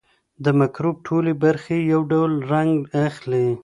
د مکروب ټولې برخې یو ډول رنګ اخلي.